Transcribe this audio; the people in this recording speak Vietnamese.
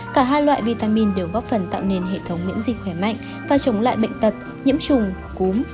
cả hai loại vitamin đều góp phần tạo nên hệ thống miễn dịch khỏe mạnh và chống lại bệnh tật nhiễm trùng cúm